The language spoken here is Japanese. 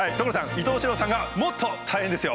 伊東四朗さんがもっと大変ですよ。